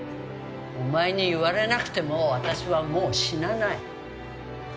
お前に言われなくても私はもう死なない。